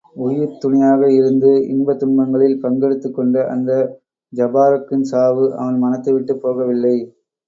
உயிர்த்துணையாக இருந்து இன்ப துன்பங்களில் பங்கெடுத்துக் கொண்ட அந்த ஜபாரக்கின் சாவு அவன் மனத்தைவிட்டுப் போகவில்லை.